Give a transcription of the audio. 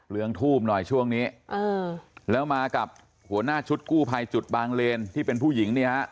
งทูบหน่อยช่วงนี้แล้วมากับหัวหน้าชุดกู้ภัยจุดบางเลนที่เป็นผู้หญิงเนี่ยฮะ